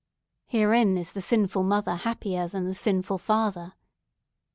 Herein is the sinful mother happier than the sinful father.